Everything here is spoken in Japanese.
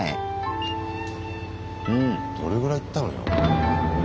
うんどれぐらいいったのよ？